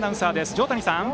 条谷さん。